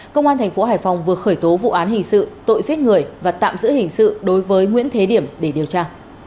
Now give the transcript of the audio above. công an thành phố hải phòng vừa khởi tố vụ án hình sự tội giết người và tạm giữ hình sự đối với nguyễn thế điểm để điều tra